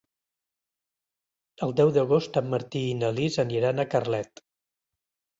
El deu d'agost en Martí i na Lis aniran a Carlet.